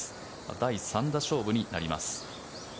第３打勝負になります。